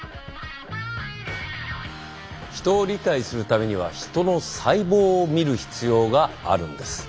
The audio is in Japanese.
ヒトを理解するためにはヒトの細胞を見る必要があるんです。